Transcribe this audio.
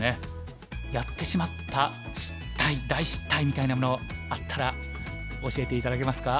やってしまった失態大失態みたいなものあったら教えて頂けますか？